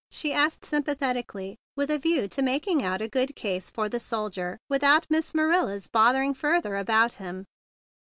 she asked sympathetically, with a view to making out a good case for the soldier without Miss Marilla's bothering fur¬ ther about him.